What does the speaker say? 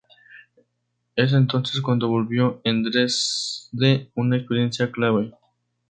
Es entonces cuando vivió en Dresde una experiencia clave.